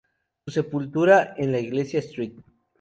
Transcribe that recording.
Su sepultura en la Iglesia St.